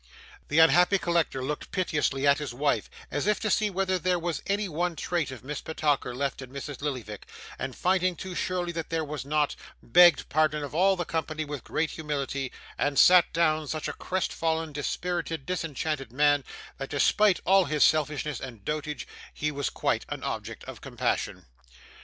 The unhappy collector looked piteously at his wife, as if to see whether there was any one trait of Miss Petowker left in Mrs. Lillyvick, and finding too surely that there was not, begged pardon of all the company with great humility, and sat down such a crest fallen, dispirited, disenchanted man, that despite all his selfishness and dotage, he was quite an object of compassion.